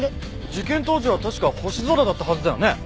事件当時は確か星空だったはずだよね。